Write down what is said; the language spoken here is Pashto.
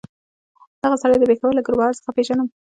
دغه سړی د پېښور له ګلبهار څخه پېژنم.